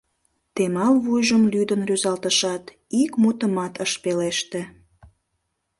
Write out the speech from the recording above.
Темал вуйжым лӱдын рӱзалтышат, ик мутымат ыш пелеште.